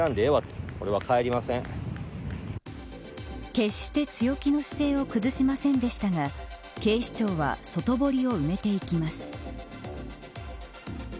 決して強気の姿勢を崩しませんでしたが警視庁は外堀を埋めていきます。